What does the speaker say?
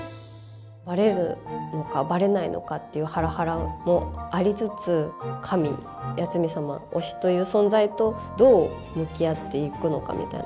バレるのかバレないのかっていうハラハラもありつつ神八海サマ推しという存在とどう向き合っていくのかみたいな。